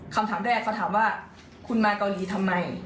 คำถามแรกเขาถามว่าคุณมาเกาหลีทำไม